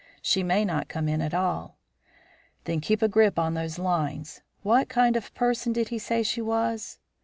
She may not come in at all." "Then keep a grip on those lines. What kind of a person did he say she was?"